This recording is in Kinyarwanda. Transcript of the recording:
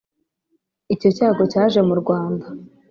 icyo cyago cyaje mu rwanda